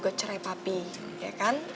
ke cerai papi ya kan